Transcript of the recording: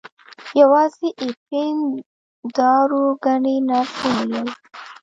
یوازې اپین دارو ګڼي نرس وویل.